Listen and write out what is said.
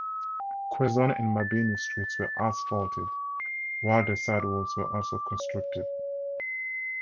Quezon and Mabini streets were asphalted while their sidewalks were also constructed.